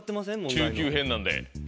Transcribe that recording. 中級編なんで。